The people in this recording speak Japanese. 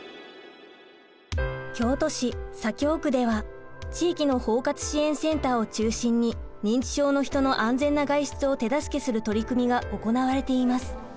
京都市左京区では地域の包括支援センターを中心に認知症の人の安全な外出を手助けする取り組みが行われています。